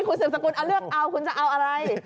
คุณสืบสกุลเอาเลือกเอาคุณจะเอาอะไร